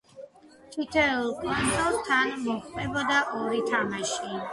თითოეულ კონსოლს თან მოჰყვებოდა ორი თამაში.